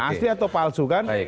asli atau palsu kan